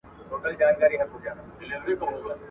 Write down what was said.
د يوه سود د بل زيان.